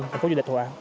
thành phố du lịch hòa